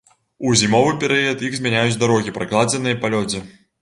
У зімовы перыяд іх замяняюць дарогі, пракладзеныя па лёдзе.